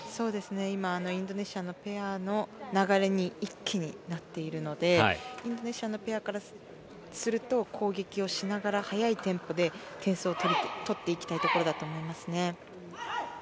今インドネシアのペアの流れに一気になっているのでインドネシアのペアからすると攻撃をしながら速いテンポで点数を取っていきたいところだと思いますね。